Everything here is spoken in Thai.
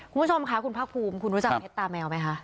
คุณผู้ชมค่ะคุณภาคภูมิคุณรู้จักเพชรตาแมวไหมคะ